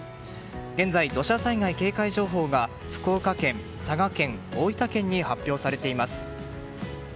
現在、土砂災害警戒情報が福岡県、佐賀県、大分県に発表されています。